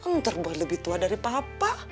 ntar boy lebih tua dari papa